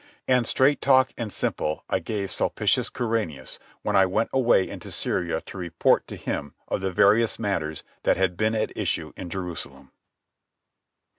And straight talk and simple I gave Sulpicius Quirinius, when I went away into Syria to report to him of the various matters that had been at issue in Jerusalem.